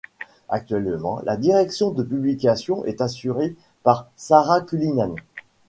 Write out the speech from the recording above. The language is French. Actuellement, la direction de publication est assurée par Sara Cullinan.